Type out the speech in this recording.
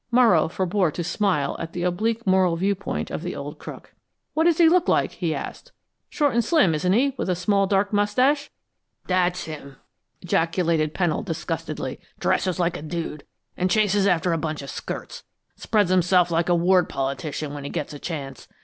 Morrow forbore to smile at the oblique moral viewpoint of the old crook. "What does he look like?" he asked. "Short and slim, isn't he, with a small dark mustache?" "That's him!" ejaculated Pennold disgustedly. "Dresses like a dude, an' chases after a bunch of skirts! Spreads himself like a ward politician when he gets a chance!